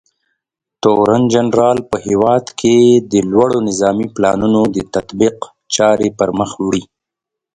تورنجنرال په هېواد کې د لوړو نظامي پلانونو د تطبیق چارې پرمخ وړي.